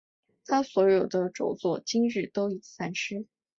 他所有的着作今日都已散失。